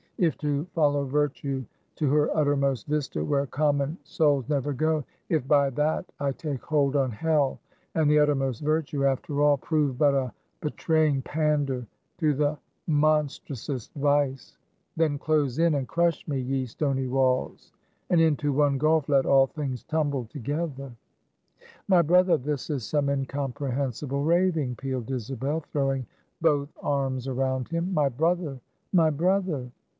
If to follow Virtue to her uttermost vista, where common souls never go; if by that I take hold on hell, and the uttermost virtue, after all, prove but a betraying pander to the monstrousest vice, then close in and crush me, ye stony walls, and into one gulf let all things tumble together!" "My brother! this is some incomprehensible raving," pealed Isabel, throwing both arms around him; "my brother, my brother!"